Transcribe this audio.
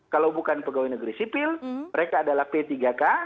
kalau bukan pegawai negeri sipil mereka adalah p tiga k